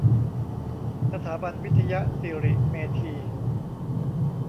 สถาบันวิทยสิริเมธี